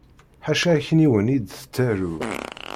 Ḥaca akniwen i d-tettarew.